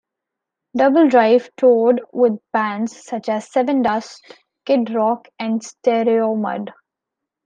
DoubleDrive toured with bands such as Sevendust, Kid Rock and Stereomud.